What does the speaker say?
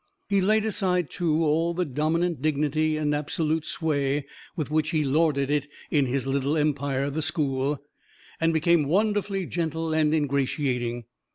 He laid aside, too, all the dominant dignity and absolute sway with which he lorded it in his little empire, the school, and became wonderfully gentle and ingratiating.